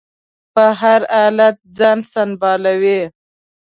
په هر حالت ځان سنبالوي.